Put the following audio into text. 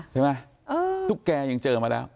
ตุ๊กแกยังเจอมาแล้ว